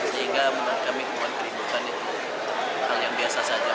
sehingga kami membuat keribukan itu hal yang biasa saja